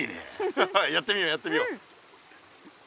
ハハやってみようやってみよう。